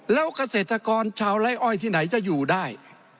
แล้วเกษตรกรชาวไล่อ้อยที่ไหนจะอยู่ได้